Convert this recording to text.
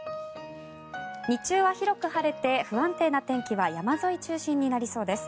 日中は広く晴れて不安定な天気は山沿い中心になりそうです。